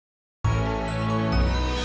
udah susan disini aman udah udah